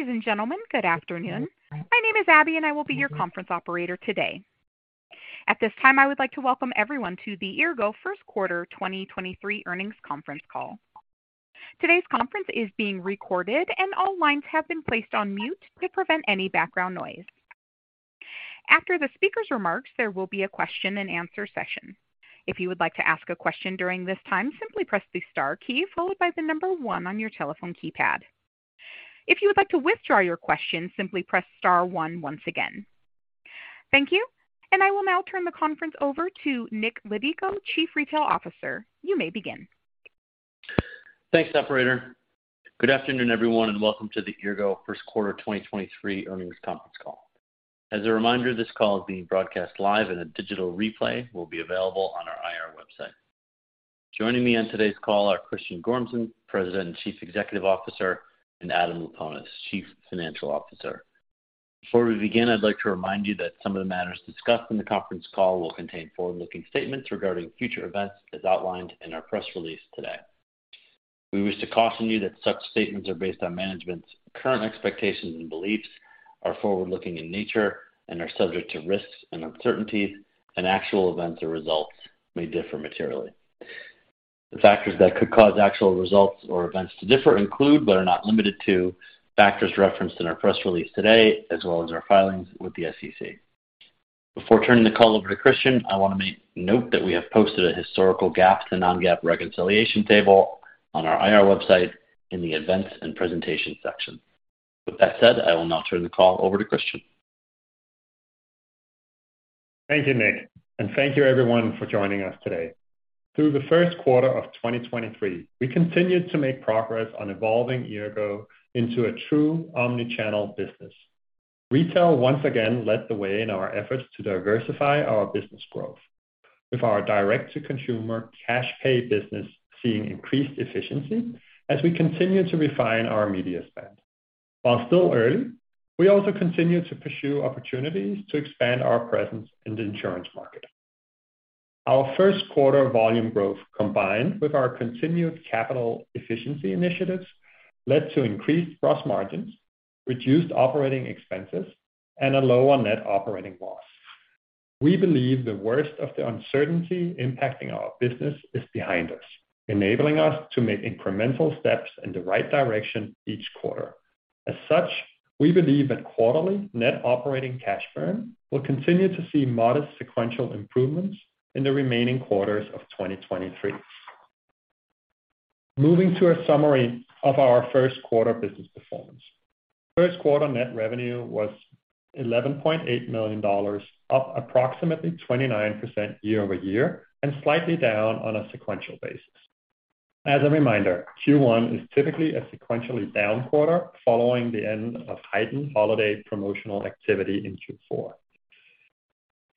Ladies and gentlemen, good afternoon. My name is Abby, I will be your conference operator today. At this time, I would like to welcome everyone to the Eargo first quarter 2023 earnings conference call. Today's conference is being recorded all lines have been placed on mute to prevent any background noise. After the speaker's remarks, there will be a question and answer session. If you would like to ask a question during this time, simply press the star key followed by the number one on your telephone keypad. If you would like to withdraw your question, simply press star one once again. Thank you, I will now turn the conference over to Nick Laudico, Chief Retail Officer. You may begin. Thanks, operator. Good afternoon, everyone, and welcome to the Eargo first quarter 2023 earnings conference call. As a reminder, this call is being broadcast live and a digital replay will be available on our IR website. Joining me on today's call are Christian Gormsen, President and Chief Executive Officer, and Adam Laponis, Chief Financial Officer. Before we begin, I'd like to remind you that some of the matters discussed in the conference call will contain forward-looking statements regarding future events, as outlined in our press release today. We wish to caution you that such statements are based on management's current expectations and beliefs, are forward-looking in nature and are subject to risks and uncertainties, and actual events or results may differ materially. The factors that could cause actual results or events to differ include, but are not limited to, factors referenced in our press release today as well as our filings with the SEC. Before turning the call over to Christian, I wanna make note that we have posted a historical GAAP to non-GAAP reconciliation table on our IR website in the events and presentation section. With that said, I will now turn the call over to Christian. Thank you, Nick, and thank you everyone for joining us today. Through the first quarter of 2023, we continued to make progress on evolving Eargo into a true omnichannel business. Retail once again led the way in our efforts to diversify our business growth. With our direct to consumer cash pay business seeing increased efficiency as we continue to refine our media spend. While still early, we also continue to pursue opportunities to expand our presence in the insurance market. Our first quarter volume growth, combined with our continued capital efficiency initiatives, led to increased gross margins, reduced operating expenses, and a lower net operating loss. We believe the worst of the uncertainty impacting our business is behind us, enabling us to make incremental steps in the right direction each quarter. As such, we believe that quarterly net operating cash burn will continue to see modest sequential improvements in the remaining quarters of 2023. Moving to a summary of our first quarter business performance. First quarter net revenue was $11.8 million, up approximately 29% year-over-year and slightly down on a sequential basis. As a reminder, Q1 is typically a sequentially down quarter following the end of heightened holiday promotional activity in Q4.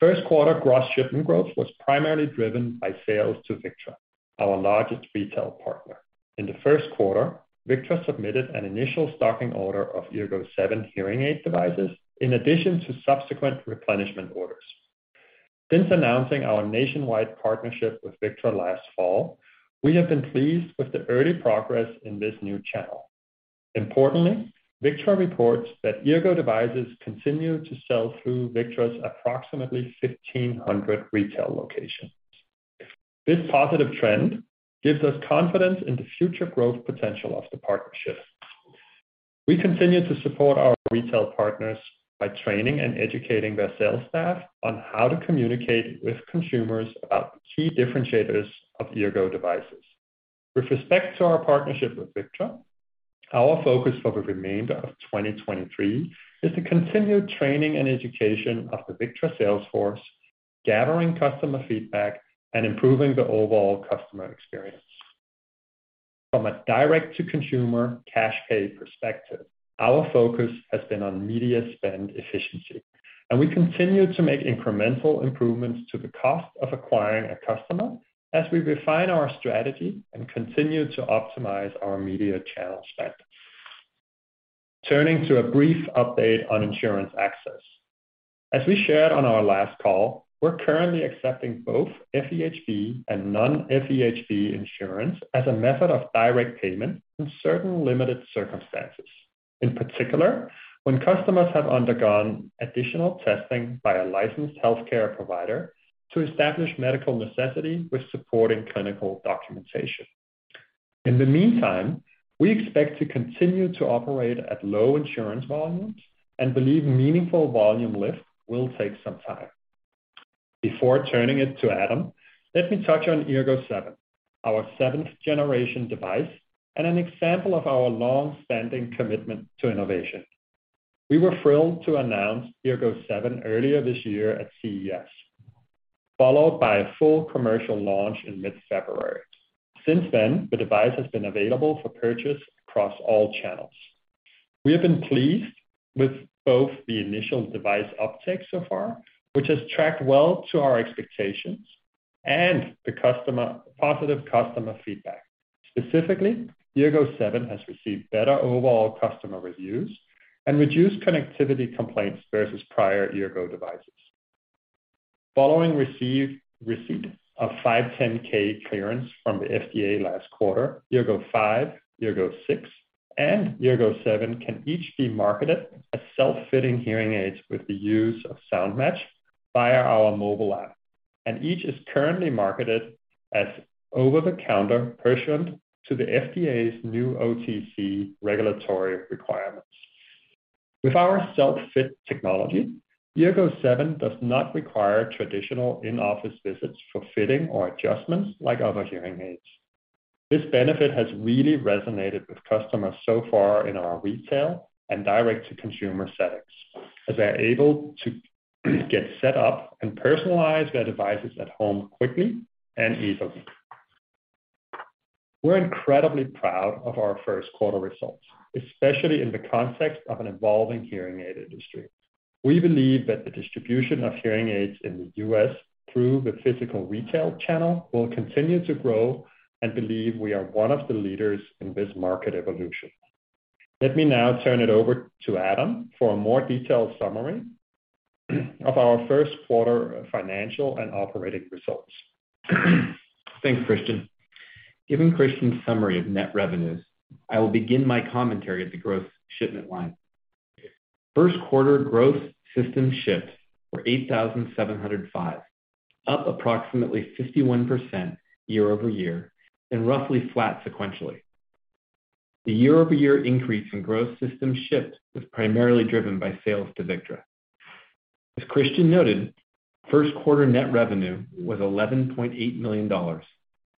First quarter gross shipment growth was primarily driven by sales to Victra, our largest retail partner. In the first quarter, Victra submitted an initial stocking order of Eargo 7 hearing aid devices in addition to subsequent replenishment orders. Since announcing our nationwide partnership with Victra last fall, we have been pleased with the early progress in this new channel. Victra reports that Eargo devices continue to sell through Victra's approximately 1,500 retail locations. This positive trend gives us confidence in the future growth potential of the partnership. We continue to support our retail partners by training and educating their sales staff on how to communicate with consumers about the key differentiators of Eargo devices. With respect to our partnership with Victra, our focus for the remainder of 2023 is to continue training and education of the Victra sales force, gathering customer feedback and improving the overall customer experience. From a direct to consumer cash pay perspective, our focus has been on media spend efficiency, and we continue to make incremental improvements to the cost of acquiring a customer as we refine our strategy and continue to optimize our media channel spend. Turning to a brief update on insurance access. As we shared on our last call, we're currently accepting both FEHB and non-FEHB insurance as a method of direct payment in certain limited circumstances. In particular, when customers have undergone additional testing by a licensed healthcare provider to establish medical necessity with supporting clinical documentation. In the meantime, we expect to continue to operate at low insurance volumes and believe meaningful volume lift will take some time. Before turning it to Adam, let me touch on Eargo 7, our seventh generation device and an example of our long-standing commitment to innovation. We were thrilled to announce Eargo 7 earlier this year at CES, followed by a full commercial launch in mid-February. Since then, the device has been available for purchase across all channels. We have been pleased with both the initial device uptake so far, which has tracked well to our expectations and the positive customer feedback. Specifically, Eargo 7 has received better overall customer reviews and reduced connectivity complaints versus prior Eargo devices. Following receipt of 510(k) clearance from the FDA last quarter, Eargo 5, Eargo 6, and Eargo 7 can each be marketed as self-fitting hearing aids with the use of Sound Match via our mobile app. Each is currently marketed as over-the-counter pursuant to the FDA's new OTC regulatory requirements. With our self-fit technology, Eargo 7 does not require traditional in-office visits for fitting or adjustments like other hearing aids. This benefit has really resonated with customers so far in our retail and direct-to-consumer settings, as they're able to get set up and personalize their devices at home quickly and easily. We're incredibly proud of our first quarter results, especially in the context of an evolving hearing aid industry. We believe that the distribution of hearing aids in the U.S. through the physical retail channel will continue to grow, and believe we are one of the leaders in this market evolution. Let me now turn it over to Adam for a more detailed summary of our first quarter financial and operating results. Thanks, Christian. Given Christian's summary of net revenues, I will begin my commentary at the growth shipment line. First quarter growth system shipped were 8,705, up approximately 51% year-over-year and roughly flat sequentially. The year-over-year increase in growth system shipped was primarily driven by sales to Victra. As Christian noted, first quarter net revenue was $11.8 million,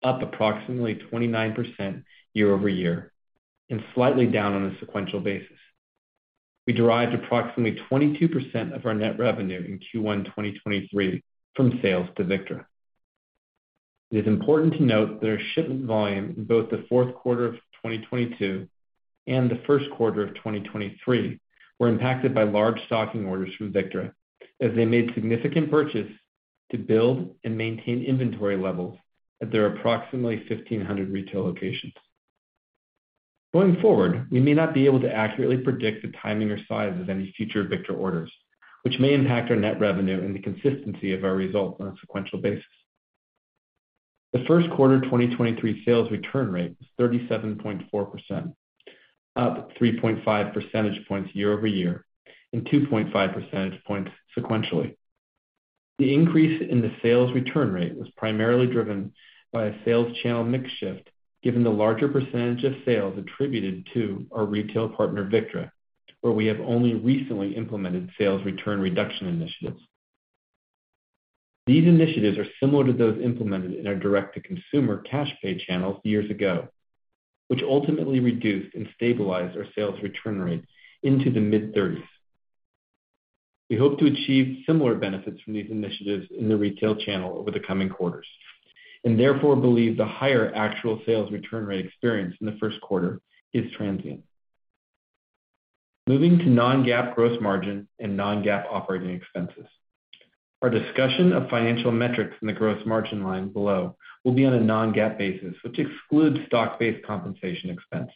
up approximately 29% year-over-year, and slightly down on a sequential basis. We derived approximately 22% of our net revenue in Q1 2023 from sales to Victra. It is important to note that our shipment volume in both the fourth quarter of 2022 and the first quarter of 2023 were impacted by large stocking orders from Victra as they made significant purchase to build and maintain inventory levels at their approximately 1,500 retail locations. Going forward, we may not be able to accurately predict the timing or size of any future Victra orders, which may impact our net revenue and the consistency of our results on a sequential basis. The first quarter 2023 sales return rate was 37.4%, up 3.5 percentage points year-over-year and 2.5 percentage points sequentially. The increase in the sales return rate was primarily driven by a sales channel mix shift, given the larger percentage of sales attributed to our retail partner, Victra, where we have only recently implemented sales return reduction initiatives. These initiatives are similar to those implemented in our direct-to-consumer cash pay channels years ago, which ultimately reduced and stabilized our sales return rate into the mid-thirties. We hope to achieve similar benefits from these initiatives in the retail channel over the coming quarters and therefore believe the higher actual sales return rate experience in the first quarter is transient. Moving to non-GAAP gross margin and non-GAAP operating expenses. Our discussion of financial metrics in the gross margin line below will be on a non-GAAP basis, which excludes stock-based compensation expense.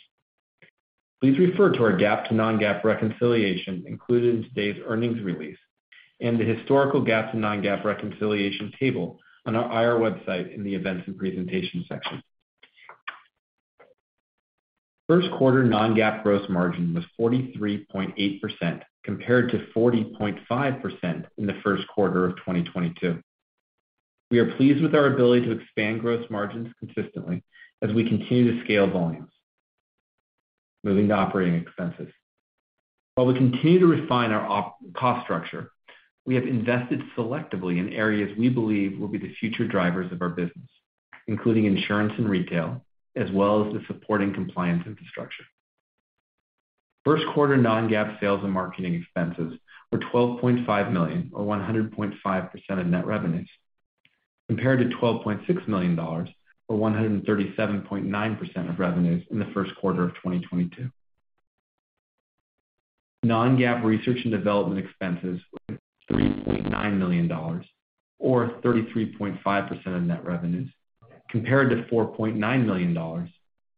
Please refer to our GAAP to non-GAAP reconciliation included in today's earnings release and the historical GAAP to non-GAAP reconciliation table on our IR website in the Events and Presentation section. First quarter non-GAAP gross margin was 43.8% compared to 40.5% in the first quarter of 2022. We are pleased with our ability to expand gross margins consistently as we continue to scale volumes. Moving to operating expenses. While we continue to refine our cost structure, we have invested selectively in areas we believe will be the future drivers of our business, including insurance and retail, as well as the supporting compliance infrastructure. First quarter non-GAAP sales and marketing expenses were $12.5 million or 100.5% of net revenues, compared to $12.6 million or 137.9% of revenues in the first quarter of 2022. Non-GAAP research and development expenses, $3.9 million or 33.5% of net revenues, compared to $4.9 million or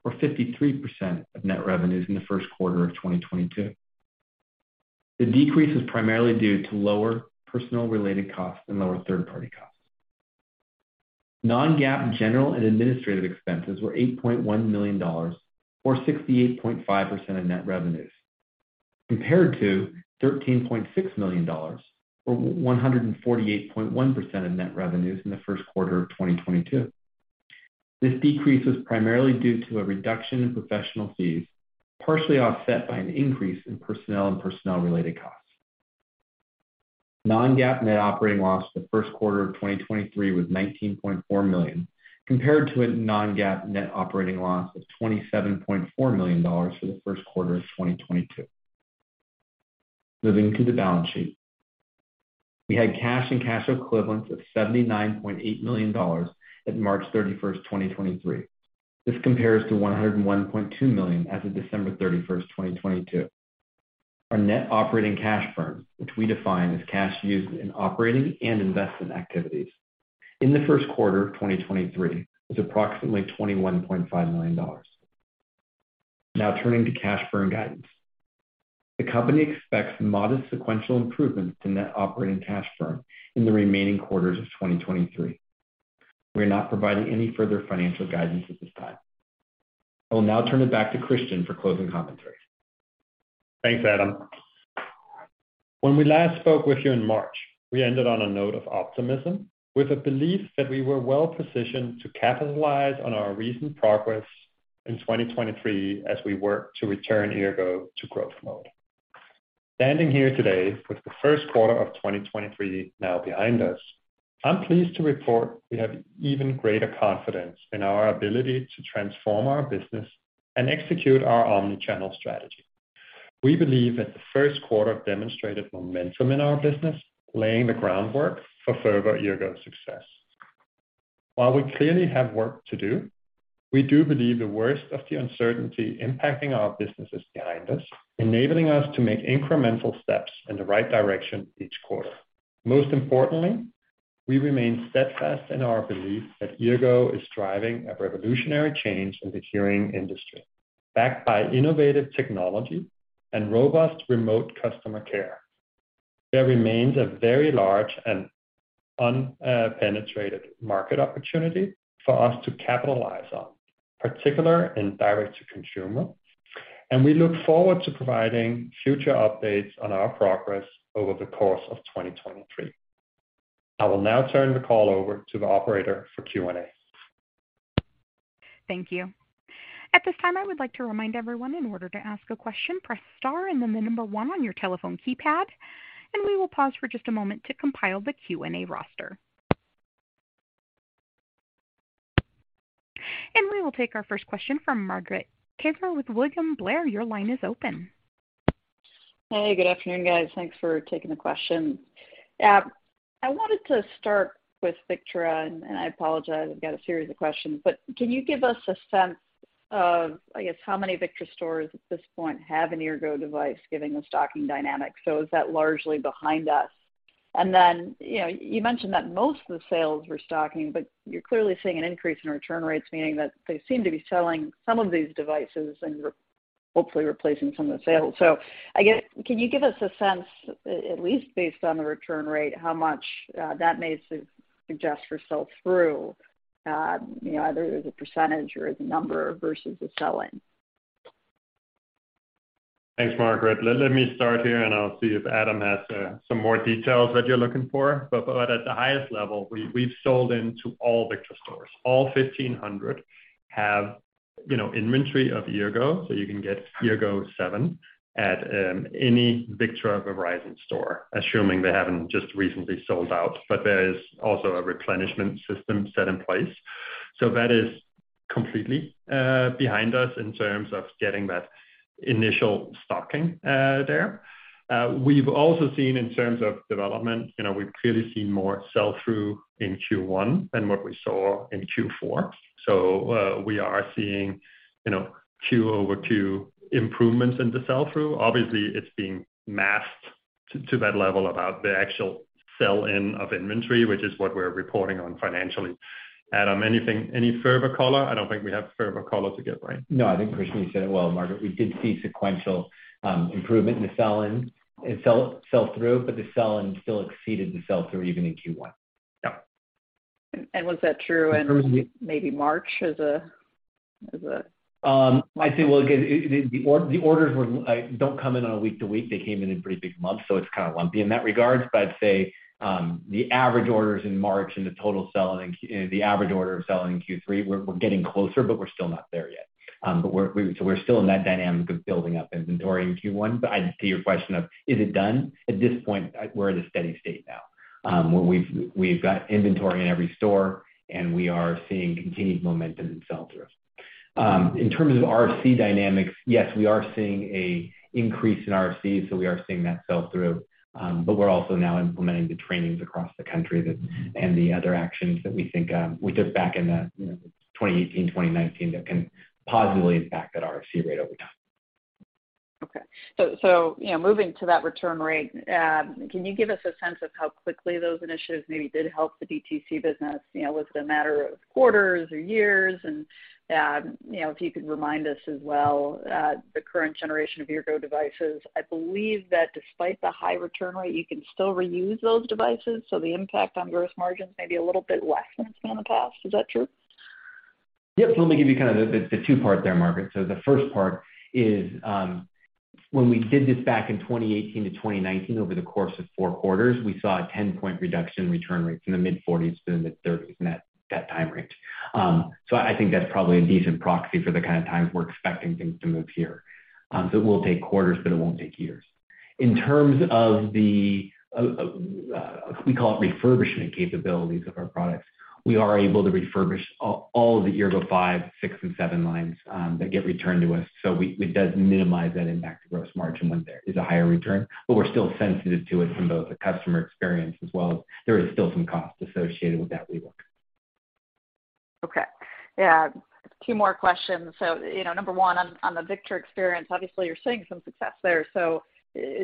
53% of net revenues in the first quarter of 2022. The decrease is primarily due to lower personnel-related costs and lower third-party costs. Non-GAAP general and administrative expenses were $8.1 million or 68.5% of net revenues, compared to $13.6 million or 148.1% of net revenues in the first quarter of 2022. This decrease was primarily due to a reduction in professional fees, partially offset by an increase in personnel and personnel-related costs. Non-GAAP net operating loss for the first quarter of 2023 was $19.4 million, compared to a non-GAAP net operating loss of $27.4 million for the first quarter of 2022. Moving to the balance sheet. We had cash and cash equivalents of $79.8 million at March 31st, 2023. This compares to $101.2 million as of December 31st, 2022. Our net operating cash burn, which we define as cash used in operating and investment activities in the first quarter of 2023, was approximately $21.5 million. Now turning to cash burn guidance. The company expects modest sequential improvements in net operating cash burn in the remaining quarters of 2023. We are not providing any further financial guidance at this time. I will now turn it back to Christian for closing commentary. Thanks, Adam. When we last spoke with you in March, we ended on a note of optimism with a belief that we were well-positioned to capitalize on our recent progress in 2023 as we work to return Eargo to growth mode. Standing here today with the first quarter of 2023 now behind us, I'm pleased to report we have even greater confidence in our ability to transform our business and execute our omnichannel strategy. We believe that the first quarter demonstrated momentum in our business, laying the groundwork for further Eargo success. While we clearly have work to do, we do believe the worst of the uncertainty impacting our business is behind us, enabling us to make incremental steps in the right direction each quarter. Most importantly, we remain steadfast in our belief that Eargo is driving a revolutionary change in the hearing industry, backed by innovative technology and robust remote customer care. There remains a very large and unpenetrated market opportunity for us to capitalize on, particular in direct to consumer. We look forward to providing future updates on our progress over the course of 2023. I will now turn the call over to the operator for Q&A. Thank you. At this time, I would like to remind everyone, in order to ask a question, press star and then the number one on your telephone keypad, and we will pause for just a moment to compile the Q&A roster. We will take our first question from Margaret Kaczor with William Blair. Your line is open. Hey, good afternoon, guys. Thanks for taking the question. I wanted to start with Victra, and I apologize, I've got a series of questions. Can you give us a sense of, I guess, how many Victra stores at this point have an Eargo device, given the stocking dynamics? Is that largely behind us? Then, you know, you mentioned that most of the sales were stocking, but you're clearly seeing an increase in return rates, meaning that they seem to be selling some of these devices and re-hopefully replacing some of the sales. I guess, can you give us a sense, at least based on the return rate, how much that may suggest for sell-through, you know, either as a percentage or as a number versus the sell-in? Thanks, Margaret. Let me start here. I'll see if Adam has some more details that you're looking for. At the highest level, we've sold into all Victra stores. All 1,500 have, you know, inventory of Eargo. You can get Eargo 7 at any Victra Verizon store, assuming they haven't just recently sold out. There is also a replenishment system set in place. That is completely behind us in terms of getting that initial stocking there. We've also seen in terms of development, you know, we've clearly seen more sell-through in Q1 than what we saw in Q4. We are seeing, you know, Q-over-Q improvements in the sell-through. Obviously, it's being masked to that level about the actual sell-in of inventory, which is what we're reporting on financially. Adam, anything, any further color? I don't think we have further color to give, right? I think Christian, you said it well, Margaret. We did see sequential improvement in the sell-in and sell-through, but the sell-in still exceeded the sell-through even in Q1. Yeah. Was that true in maybe March. I'd say, well, again, it the orders were don't come in on a week to week. They came in in pretty big months, it's kinda lumpy in that regard. I'd say the average orders in March and the average order of sell-in in Q3, we're getting closer, but we're still not there yet. We're So we're still in that dynamic of building up inventory in Q1, I'd say your question of is it done, at this point, we're at a steady state now, where we've got inventory in every store, and we are seeing continued momentum in sell-through. In terms of RFC dynamics, yes, we are seeing a increase in RFCs, we are seeing that sell-through. We're also now implementing the trainings across the country that, and the other actions that we think, we did back in the, you know, 2018, 2019 that can positively impact that RFC rate over time. Okay. You know, moving to that return rate, can you give us a sense of how quickly those initiatives maybe did help the DTC business? You know, was it a matter of quarters or years? You know, if you could remind us as well, the current generation of Eargo devices. I believe that despite the high return rate, you can still reuse those devices, so the impact on gross margins may be a little bit less than it's been in the past. Is that true? Yep. Let me give you kinda the two-part there, Margaret. The first part is, when we did this back in 2018 to 2019 over the course of four quarters, we saw a 10-point reduction in return rates from the mid-40s to the mid-30s in that time range. I think that's probably a decent proxy for the kind of times we're expecting things to move here. It will take quarters, but it won't take years. In terms of the, we call it refurbishment capabilities of our products, we are able to refurbish all the Eargo 5, Eargo 6, and Eargo 7 lines that get returned to us. It does minimize that impact to gross margin when there is a higher return, but we're still sensitive to it from both the customer experience as well as there is still some cost associated with that rework. Okay. Yeah. Two more questions. You know, number one, on the Victra experience, obviously you're seeing some success there.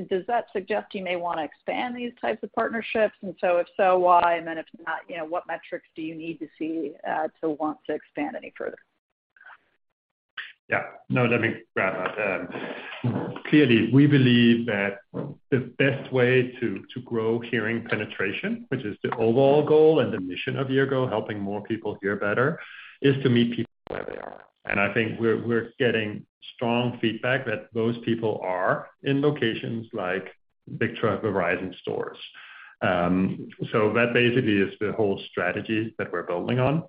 Does that suggest you may wanna expand these types of partnerships? If so, why? If not, you know, what metrics do you need to see to want to expand any further? Yeah. No, let me grab that. Clearly, we believe that the best way to grow hearing penetration, which is the overall goal and the mission of Eargo, helping more people hear better, is to meet people where they are. I think we're getting strong feedback that those people are in locations like Victra, Verizon stores. That basically is the whole strategy that we're building on.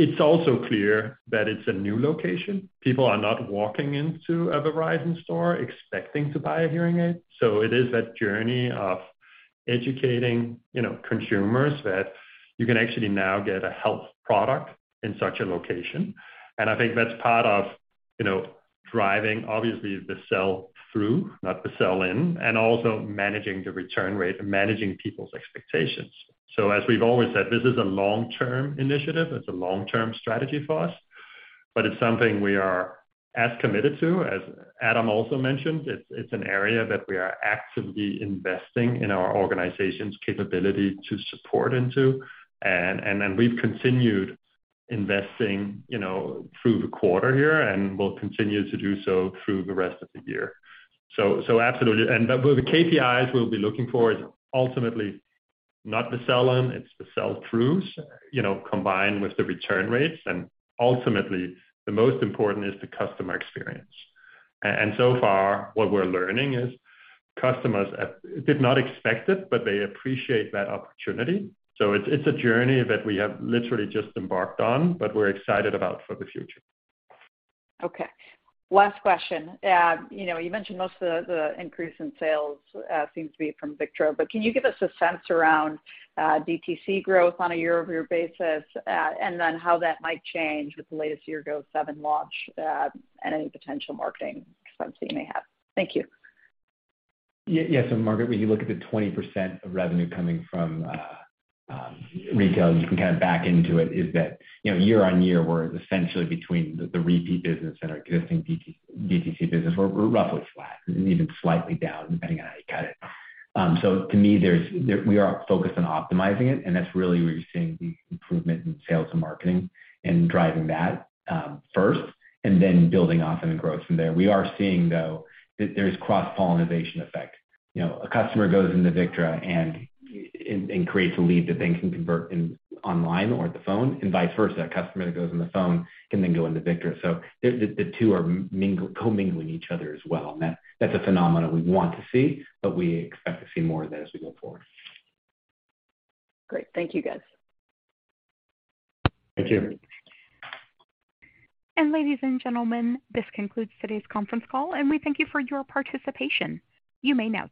It's also clear that it's a new location. People are not walking into a Verizon store expecting to buy a hearing aid, so it is that journey of educating, you know, consumers that you can actually now get a health product in such a location. I think that's part of, you know, driving obviously the sell through, not the sell-in, and also managing the return rate and managing people's expectations. As we've always said, this is a long-term initiative. It's a long-term strategy for us, but it's something we are as committed to, as Adam also mentioned, it's an area that we are actively investing in our organization's capability to support into. We've continued investing, you know, through the quarter here, and we'll continue to do so through the rest of the year. Absolutely. The KPIs we'll be looking for is ultimately not the sell-in, it's the sell-throughs, you know, combined with the return rates. Ultimately, the most important is the customer experience. So far what we're learning is customers did not expect it, but they appreciate that opportunity. It's a journey that we have literally just embarked on, but we're excited about for the future. Okay. Last question. you know, you mentioned most of the increase in sales, seems to be from Victra, but can you give us a sense around, DTC growth on a year-over-year basis, and then how that might change with the latest Eargo 7 launch, and any potential marketing expense that you may have? Thank you. Yes. Margaret, when you look at the 20% of revenue coming from retail, you can kind of back into it, is that, you know, year-on-year, we're essentially between the repeat business and our existing DTC business. We're roughly flat and even slightly down, depending on how you cut it. To me, there's we are focused on optimizing it, and that's really where you're seeing the improvement in sales and marketing and driving that first and then building off any growth from there. We are seeing, though, that there's cross-pollination effect. You know, a customer goes into Victra and creates a lead that they can convert in online or the phone and vice versa. A customer that goes on the phone can then go into Victra. The two are co-mingling each other as well, and that's a phenomenon we want to see, but we expect to see more of that as we go forward. Great. Thank you guys. Thank you. Ladies and gentlemen, this concludes today's conference call, and we thank you for your participation. You may now disconnect.